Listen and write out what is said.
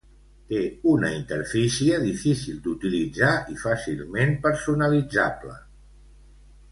Té una interfície difícil d'utilitzar i fàcilment personalitzable.